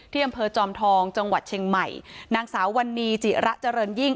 อำเภอจอมทองจังหวัดเชียงใหม่นางสาววันนี้จิระเจริญยิ่ง